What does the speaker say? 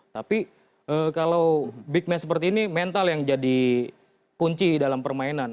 tapi kalau big match seperti ini mental yang jadi kunci dalam permainan